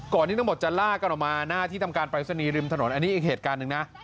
ที่ทั้งหมดจะลากกันออกมาหน้าที่ทำการปรายศนีย์ริมถนนอันนี้อีกเหตุการณ์หนึ่งนะ